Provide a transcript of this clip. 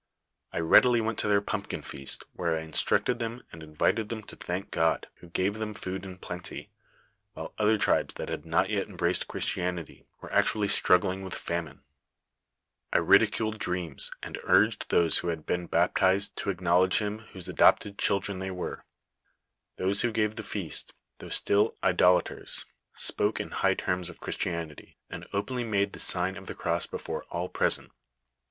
"I went readily to their pumpkin feast, where I instructed them, and invited them to thank God, who gave them food in plenty, while other tribes that had not yet embraced Christianity, were nctniilly stnijjf/ling with fiimine. I ridi culed dreams, ai.d urged fhnsf who lisul Iweii baptized to ac |ii,:i LITE or FATIIKR MARQCRTTB. ]«t • Xlll knowledge Him, wIioho ndopted cliIMren tliey were. TIiobo who gave the feRst, thoii^'h still idolnters, Bpoke in high terms of Cliriatinnity, and openly made the sign of the cross before all present.